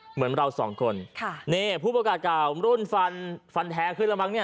เหมือนเรา๒คนพู้ประกาศรุ่นฟันฯฟันแท้ขึ้นแล้วมั้งเนี่ย